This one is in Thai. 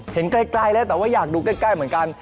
เห็นใกล้แล้วแต่ว่าอยากดูใกล้เหมือนกัน